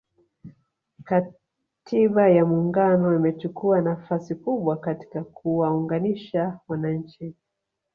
Katiba ya Muungano imechukuwa nafasi kubwa katika kuwaunganisha wananchi